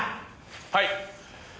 はい。